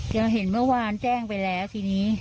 เราเห็นเมื่อวานแจ้งไปแล้วทีนี้